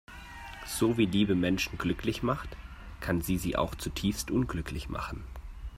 So wie Liebe Menschen glücklich macht, kann sie sie auch zutiefst unglücklich machen.